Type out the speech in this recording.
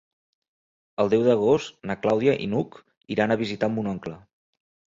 El deu d'agost na Clàudia i n'Hug iran a visitar mon oncle.